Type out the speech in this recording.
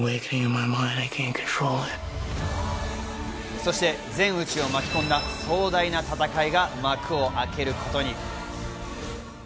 そして全宇宙を巻き込んだ壮大な戦いが幕を開けることに。